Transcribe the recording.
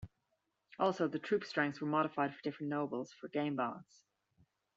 Also, the troop strengths are modified for different nobles for game balance.